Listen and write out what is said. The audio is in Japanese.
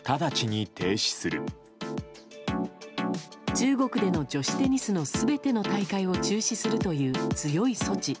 中国での女子テニスの全ての大会を中止するという強い措置。